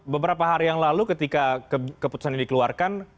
beberapa hari yang lalu ketika keputusan ini dikeluarkan